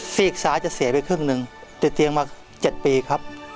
ซีกซ้ายจะเสียไปครึ่งหนึ่งติดเตียงมา๗ปีครับ